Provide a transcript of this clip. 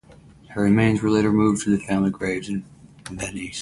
Her remains were later moved to the family grave in Vannes.